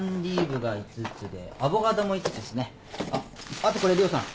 あとこれ涼さん。